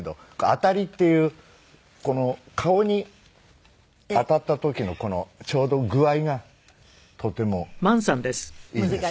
当たりっていう顔に当たった時のちょうど具合がとてもいいんですね。